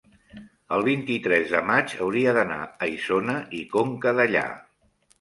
el vint-i-tres de maig hauria d'anar a Isona i Conca Dellà.